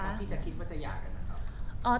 ที่จะคิดว่าจะหย่ากันนะครับ